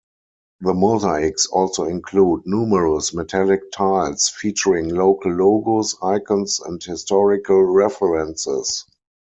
The mosaics also include numerous metallic tiles featuring local logos, icons and historical references.